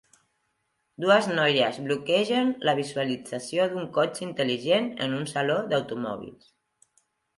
Dues noies bloquegen la visualització d'un cotxe intel·ligent en un saló d'automòbils